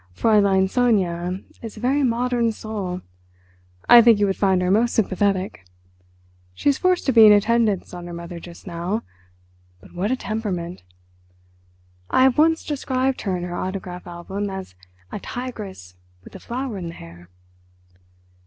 Fräulein Sonia is a very modern soul. I think you would find her most sympathetic. She is forced to be in attendance on her mother just now. But what a temperament! I have once described her in her autograph album as a tigress with a flower in the hair.